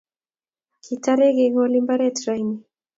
Kitare kegole imbaret raini